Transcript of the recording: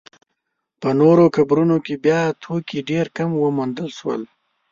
په نورو قبرونو کې بیا توکي ډېر کم وموندل شول.